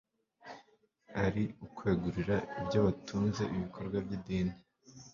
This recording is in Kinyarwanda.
ari ukwegurira ibyo batunze ibikorwa by'idini.